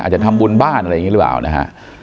จะทำบุญบ้านอะไรอย่างนี้หรือเปล่านะฮะ